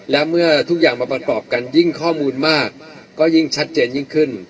และเมื่อทุกอย่างมาประกอบกันยิ่งข้อมูลมากก็ยิ่งชัดเจนยิ่งขึ้น